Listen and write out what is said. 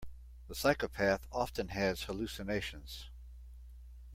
The psychopath often has hallucinations.